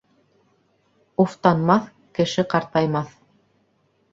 Уфтанмаҫ кеше ҡартаймаҫ.